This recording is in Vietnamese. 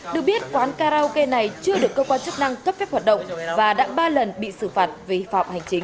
được biết quán karaoke này chưa được cơ quan chức năng cấp phép hoạt động và đã ba lần bị xử phạt vì phạm hành chính